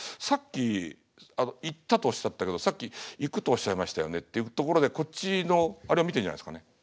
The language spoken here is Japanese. さっきあの『行った』とおっしゃったけどさっき『行く』とおっしゃいましたよね」っていうところでこっちのあれを見てんじゃないっすかね。